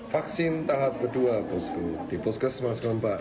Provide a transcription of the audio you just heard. vaksin tahap kedua di poskes semangat selamak